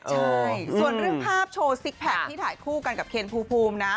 ใช่ส่วนเรื่องภาพโชว์ซิกแพคที่ถ่ายคู่กันกับเคนภูมินะ